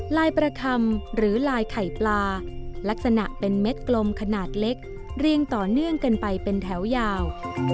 ลายประคำหรือลายไข่ปลาลักษณะเป็นเม็ดกลมขนาดเล็กเรียงต่อเนื่องกันไปเป็นแถวยาว